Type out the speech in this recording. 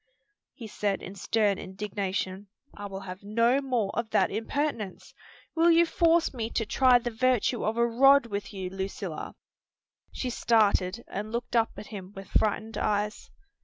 he said in stern indignation. "I will have no more of that impertinence! Will you force me to try the virtue of a rod with you, Lucilla?" She started and looked up at him with frightened eyes.